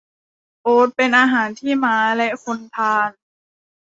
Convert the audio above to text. โอ๊ตเป็นอาหารที่ม้าและคนทาน